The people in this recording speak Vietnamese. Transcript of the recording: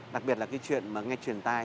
đặc biệt là cái chuyện nghe truyền tai